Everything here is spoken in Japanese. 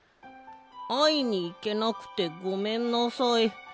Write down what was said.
あいにいけなくてごめんなさい。